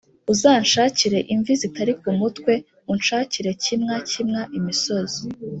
uzanshakire imvi zitari ku mutwe, unshakire kimwa kimwa imisozi